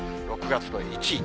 ６月の１位。